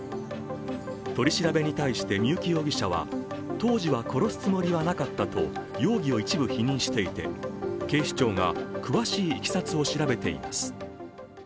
取り調べに対して、三幸容疑者は当時は殺すつもりはなかったと容疑を一部否認していて、警視庁が詳しいいきさつを調べています。